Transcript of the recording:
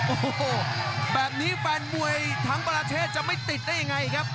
โอ้โหแบบนี้แฟนมวยทั้งประเทศจะไม่ติดได้ยังไงครับ